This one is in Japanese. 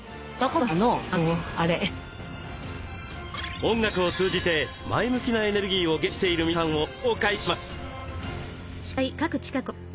音楽を通じて前向きなエネルギーをゲットしている皆さんをご紹介します。